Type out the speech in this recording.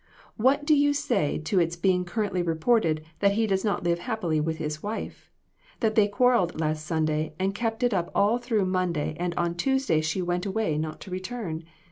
What do you say to its being currently reported that he does not live happily with his wife that they quarreled last Sunday, and kept it up all through Monday, and on Tuesday she went away, not to return